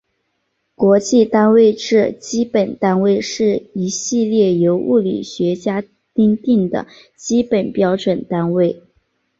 国际单位制基本单位是一系列由物理学家订定的基本标准单位。